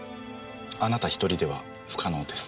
あなた１人では不可能です。